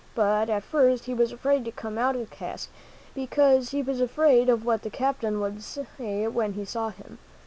But at first he was afraid to come out of the cask, because he was afraid of what the captain would say when he saw him.